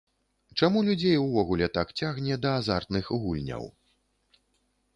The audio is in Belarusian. Чаму людзей увогуле так цягне да азартных гульняў?